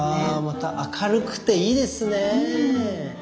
あまた明るくていいですね。